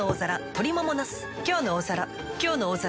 「きょうの大皿」